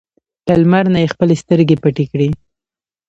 له لمر نه یې خپلې سترګې پټې کړې.